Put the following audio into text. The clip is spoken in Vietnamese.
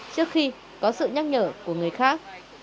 trước khi có sự nhắc nhở của người khác